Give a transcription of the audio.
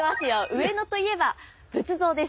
上野といえば仏像です！